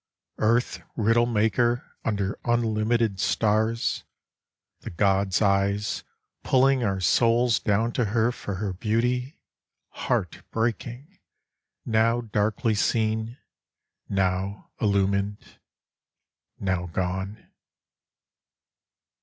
Earth riddle maker under unlimited Stars, the god's eyes, pulling our souls down to her For her beauty, heart breaking, now darkly seen. Now illumin'd, now gone.